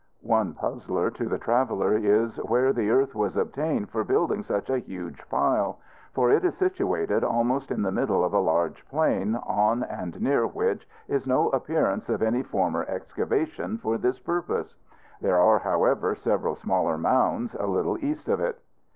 One puzzler to the traveler is, where the earth was obtained for building such a huge pile; for it is situated almost in the middle of a large plain, on and near which is no appearance of any former excavation for this purpose. There are, however, several smaller mounds a little east of it.